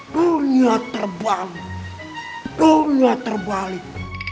punya terbang dunia terbalik